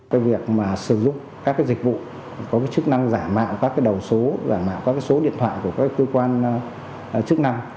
cái việc mà sử dụng các dịch vụ có cái chức năng giả mạo các cái đầu số giả mạo các số điện thoại của các cơ quan chức năng